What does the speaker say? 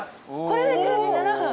これで１０時７分？